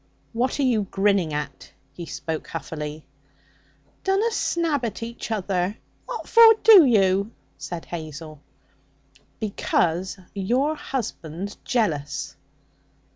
What are you grinning at?' He spoke huffily. 'Dunna snab at each other! What for do you?' said Hazel. 'Because you're husband's jealous.'